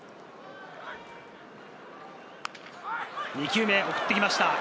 ２球目、送ってきました。